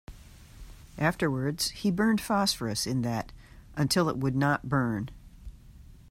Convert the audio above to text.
Afterwards, he burned phosphorus in that, until it would not burn.